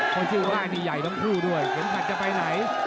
เขาชื่อว่านี่ใหญ่ต้องพูด้วยเห็นใครจะไปไหน